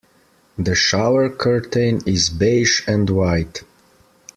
The shower curtain is beige and white.